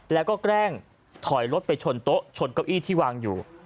แล้วก็แกล้งถอยรถไปชนโต๊ะชนเก้าอี้ที่วางอยู่